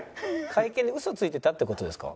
「会見で嘘ついてたって事ですか？」。